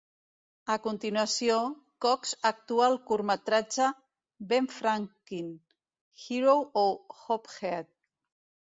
A continuació, Cox actua al curtmetratge "Ben Frankin: Hero or Hophead?